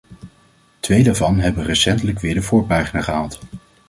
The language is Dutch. Twee daarvan hebben recentelijk weer de voorpagina gehaald.